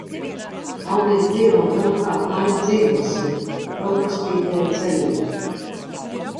Paldies, Dievam, vēl kādu laiku dzīvosim, vēl paspīdēja cerība.